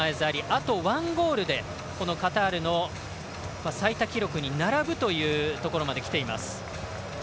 あと１ゴールでカタールの最多記録に並ぶというところまできています。